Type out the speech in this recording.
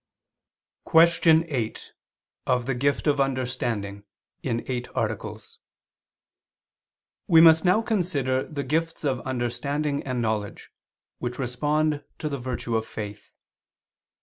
_______________________ QUESTION 8 OF THE GIFT OF UNDERSTANDING (In Eight Articles) We must now consider the gifts of understanding and knowledge, which respond to the virtue of faith.